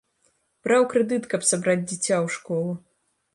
Браў крэдыт, каб сабраць дзіця ў школу.